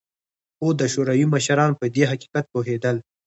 خو د شوروي مشران په دې حقیقت پوهېدل